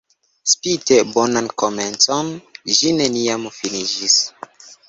Spite bonan komencon, ĝi neniam finiĝis.